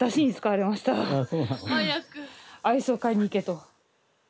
アイスを買いに行けと。